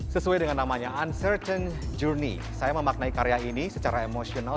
sesuai dengan namanya uncertain journey saya memaknai karya ini secara emosional